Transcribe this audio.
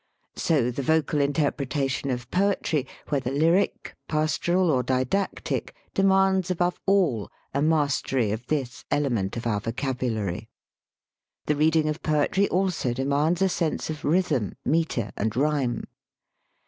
So the vocal in terpretation of poetry (whether lyric, pas toral, or didactic) demands, above all, a mas tery of this element of our vocabulary. The reading of poetry also demands a sense of rhythm, metre, and rhyme.